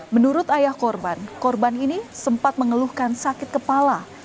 menurut ayah korban korban ini sempat mengeluhkan sakit kepala